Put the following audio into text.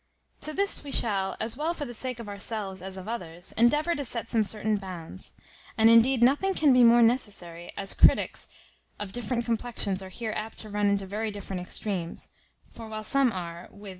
To this we shall, as well for the sake of ourselves as of others, endeavour to set some certain bounds, and indeed nothing can be more necessary, as critics[*] of different complexions are here apt to run into very different extremes; for while some are, with M.